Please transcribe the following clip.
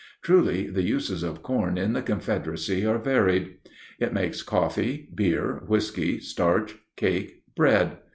Truly the uses of corn in the Confederacy are varied. It makes coffee, beer, whisky, starch, cake, bread.